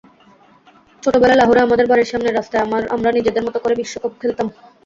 ছোটবেলায় লাহোরে আমাদের বাড়ির সামনের রাস্তায় আমরা নিজেদের মতো করে বিশ্বকাপ খেলতাম।